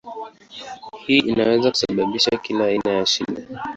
Hii inaweza kusababisha kila aina ya shida.